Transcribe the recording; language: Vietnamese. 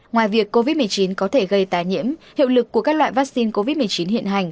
ngoài việc covid một mươi chín có thể gây tài nhiễm hiệu lực của các loại vaccine covid một mươi chín hiện hành